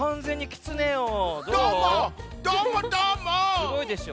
すごいでしょ？